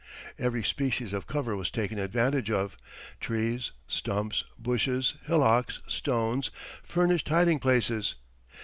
Every species of cover was taken advantage of trees, stumps, bushes, hillocks, stones, furnished hiding places.